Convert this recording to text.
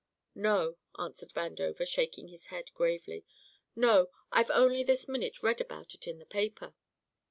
"No," answered Vandover, shaking his head gravely; "no, I've only this minute read about it in the paper."